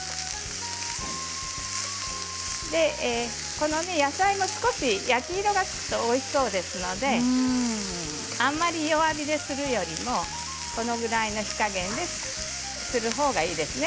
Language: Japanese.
このね野菜も少し焼き色がつくとおいしそうですのであまり弱火でするよりもこのぐらいの火加減でするほうがいいですね。